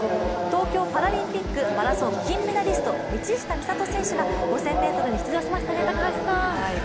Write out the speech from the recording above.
東京パラリンピックマラソン金メダリスト・道下美里選手が５０００ｍに出場しましたね。